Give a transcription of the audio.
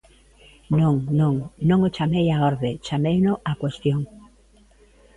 Non, non, non o chamei á orde, chameino á cuestión.